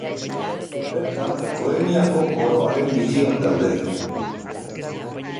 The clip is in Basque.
Bertan, Bohemiako Koroaren Bitxiak daude.